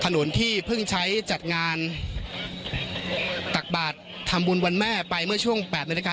ถนนที่เพิ่งใช้จัดงานตักบาททำบุญวันแม่ไปเมื่อช่วง๘นาฬิกา